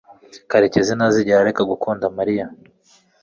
karekezi ntazigera areka gukunda mariya